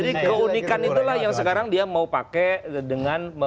jadi keunikan itulah yang sekarang dia mau pakai dengan